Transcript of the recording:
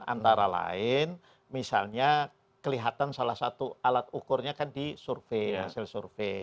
antara lain misalnya kelihatan salah satu alat ukurnya kan di survei hasil survei